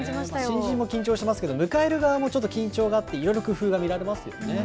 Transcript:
新人も緊張しますけど、迎える側もちょっと緊張があって、いろいろ工夫が見られますけどね。